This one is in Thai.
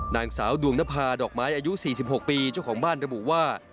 นางสาวดวงนภาดอกไม้อายุ๔๖ปีเจ้าของบ้านระบุว่า